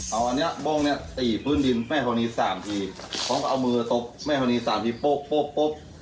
เอาอันนี้มึงเนี่ยตีพื้นดินแม่ฮวนีสามทีพร้อมก็เอามือตบแม่ฮวนีสามทีปุ๊บปุ๊บปุ๊บ